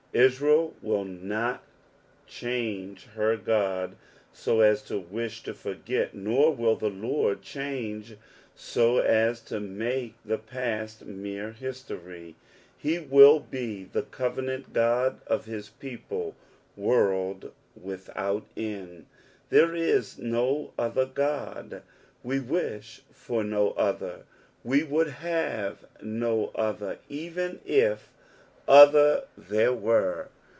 Israel will not change er Qod so as to wish to foi^et, nor will the Lord change so as to make the past mere history. Be will be the covenant Ood of his people world without end. There is no other Ood, we wish for no other, we would have no other even if other there were.